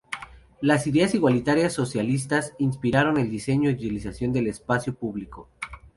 Las ideas igualitarias socialistas inspiraron el diseño y la utilización del espacio público.